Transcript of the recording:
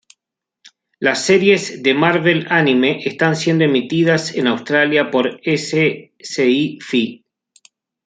Las series de Marvel Anime están siendo emitidas en Australia por Sci Fi.